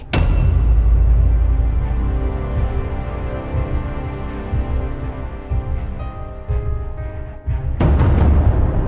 tidak ada apa apa